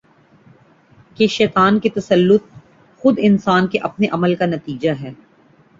کہ شیطان کا تسلط خود انسان کے اپنے عمل کا نتیجہ ہے